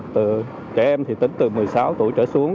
từ trẻ em thì tính từ một mươi sáu tuổi trở xuống